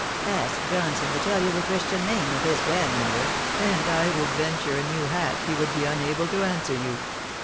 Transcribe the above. Ask Johnson to tell you the Christian name of his grandmother, and I would venture a new hat he would be unable to answer you.